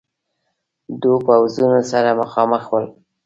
دو پوځونه سره مخامخ ول.